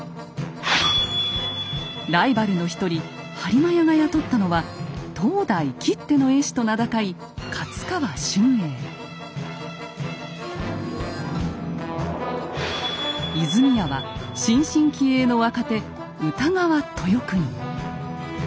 ライバルの一人播磨屋が雇ったのは当代きっての絵師と名高い和泉屋は新進気鋭の若手